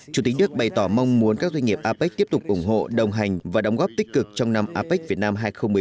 chủ tịch đức bày tỏ mong muốn các doanh nghiệp apec tiếp tục ủng hộ đồng hành và đóng góp tích cực trong năm apec việt nam hai nghìn một mươi chín